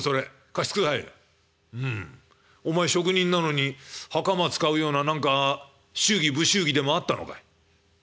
「うん。お前職人なのに袴使うような何か祝儀不祝儀でもあったのかい？」。